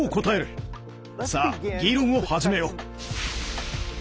さあ議論を始めよう。